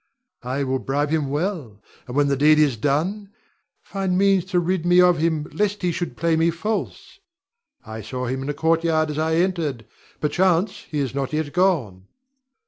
I will bribe him well, and when the deed is done, find means to rid me of him lest he should play me false. I saw him in the courtyard as I entered. Perchance he is not yet gone.